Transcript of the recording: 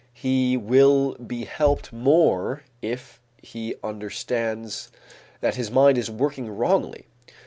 He will be helped more if he understands that his mind is working wrongly.